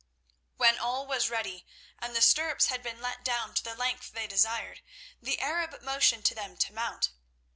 When all was ready and the stirrups had been let down to the length they desired, the Arab motioned to them to mount.